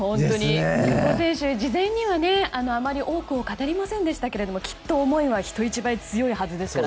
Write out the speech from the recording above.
久保選手、事前にはあまり多くを語りませんでしたがきっと、思いは人一倍強いはずですから。